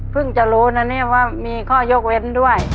จะรู้นะเนี่ยว่ามีข้อยกเว้นด้วย